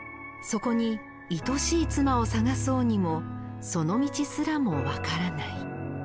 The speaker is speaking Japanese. そこに愛しい妻を探そうにもその道すらも分からない。